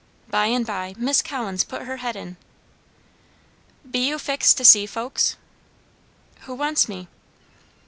By and by Miss Collins put her head in. "Be you fixed to see folks?" "Who wants me?"